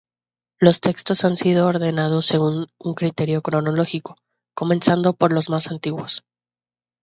Los textos han sido ordenados según un criterio cronológico, comenzando por los más antiguos.